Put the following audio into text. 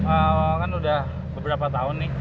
awal kan udah beberapa tahun nih